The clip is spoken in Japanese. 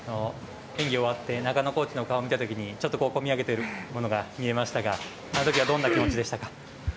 演技終わって中野コーチの顔を見たときにちょっと、込み上げてくるものがありましたがどんな気持ちでしたか？